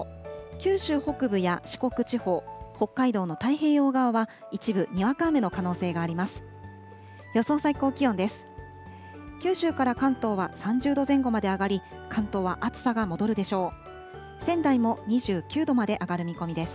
九州北部や四国地方、北海道の太平洋側は一部、にわか雨の可能性があります。